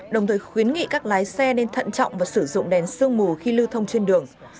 đồng thời khuyến nghị các lái xe nên thận trọng và sử dụng đèn sương mù khi lưu thông trên đường